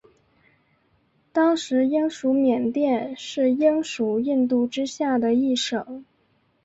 当时英属缅甸是英属印度之下的一省。